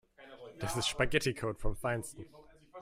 Das ist Spaghetticode vom Feinsten.